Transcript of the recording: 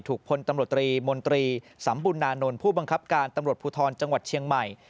พลตำรวจตรีมนตรีสำบุญนานนท์ผู้บังคับการตำรวจภูทรจังหวัดเชียงใหม่